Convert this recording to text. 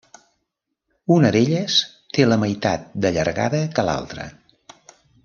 Una d'elles té la meitat de llargada que l'altra.